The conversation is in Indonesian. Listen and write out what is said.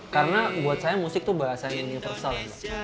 karena buat saya musik tuh bahasa universal ya mbak